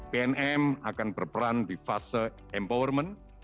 pnm akan berperan di fase empowerment